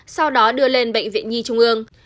sau đó đưa lên bệnh viện nhi trung ương